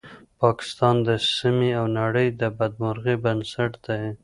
پاکستان د سیمې او نړۍ د بدمرغۍ بنسټ دی